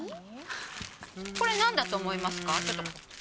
これ、なんだと思いますか。